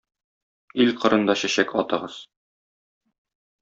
Ил кырында чәчәк атыгыз!